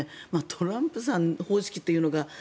トランプさん方式というのか